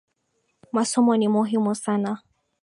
Masomo ni muhimu sana